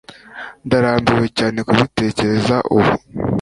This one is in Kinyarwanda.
Ndarambiwe cyane kubitekereza ubu